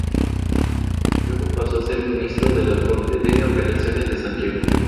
Luego pasó a ser ministro de la Corte de Apelaciones de Santiago.